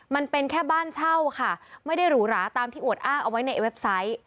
มันเป็นแค่บ้านเช่าค่ะไม่ได้หรูหราตามที่อวดอ้างเอาไว้ในเว็บไซต์